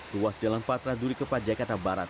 ruas jalan patra duri kepa jakarta barat